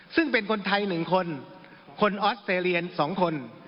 ซึ่งเป็นคนไทย๑คนคนออสเตรเลีย๒คน